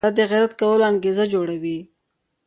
دا د غیرت کولو انګېزه جوړوي.